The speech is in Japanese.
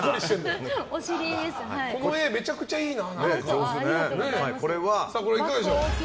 この絵、めちゃくちゃいいな。